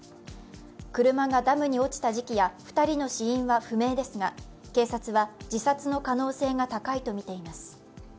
車がダムに落ちた時期や２人の死因は不明ですが警察は自殺の可能性が高いとみています。